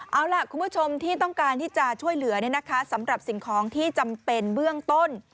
เอาล่ะคุณผู้ชมที่ต้องการที่จะช่วยเหลือสำหรับสิ่งของที่จำเป็นเบื้องต้น